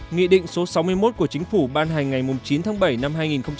nghị định số sáu mươi một của chính phủ ban hành ngày chín tháng bảy năm hai nghìn một mươi chín